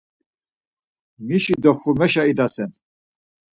Mişi doxvumeşa idasen?